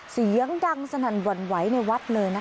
เสียงดังสนั่นหวั่นไหวในวัดเลยนะคะ